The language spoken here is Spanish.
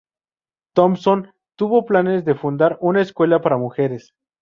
Thompson tuvo planes de fundar una escuela para mujeres.